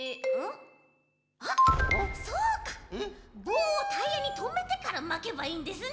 ぼうをタイヤにとめてからまけばいいんですね！